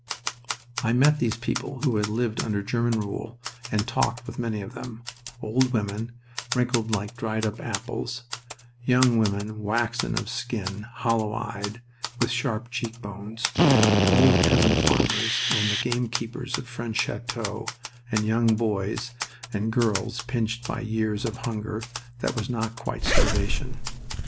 I met these people who had lived under German rule and talked with many of them old women, wrinkled like dried up apples, young women waxen of skin, hollow eyed, with sharp cheekbones, old peasant farmers and the gamekeepers of French chateaux, and young boys and girls pinched by years of hunger that was not quite starvation.